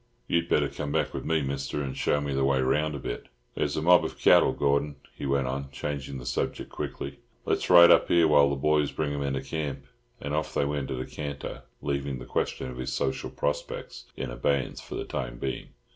You'd better come back with me, Mister, and show me the way round a bit." "There's a mob of cattle, Gordon." he went on, changing the subject quickly; "let's ride up here, while the boys bring 'em into camp." And off they went at a carter, leaving the question of his social prospects in abeyance for the time being.